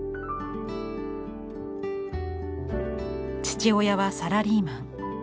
父親はサラリーマン。